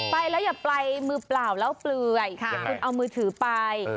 ไปแล้วอย่าไปมือเปล่าแล้วเปลือยเดี๋ยวคุณเอามือถือไป